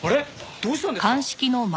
どうしたんですか？